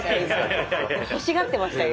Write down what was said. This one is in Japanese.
ほしがってましたよ